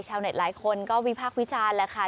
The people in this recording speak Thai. ชาวเน็ตหลายคนก็วิพากษ์วิจารณ์แหละค่ะ